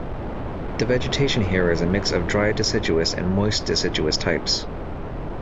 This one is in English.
The vegetation here is a mix of dry deciduous and moist deciduous types.